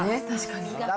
確かに。